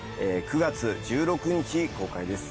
９月１６日公開です。